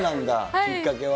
きっかけは。